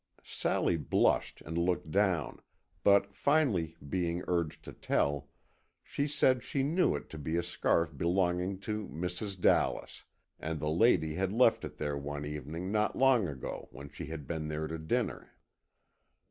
Sally blushed and looked down, but finally being urged to tell, said that she knew it to be a scarf belonging to Mrs. Dallas, and the lady had left it there one evening not long ago, when she had been there to dinner.